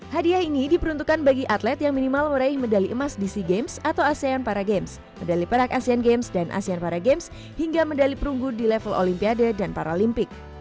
hadiah ini diperuntukkan bagi atlet yang minimal meraih medali emas di sea games atau asean para games medali perak asean games dan asean para games hingga medali perunggu di level olimpiade dan paralimpik